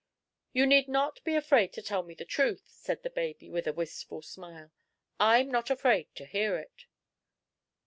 "You need not be afraid to tell me the truth," said the baby, with a wistful smile; "I'm not afraid to hear it."